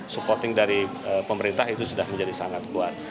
supporting dari pemerintah itu sudah menjadi sangat kuat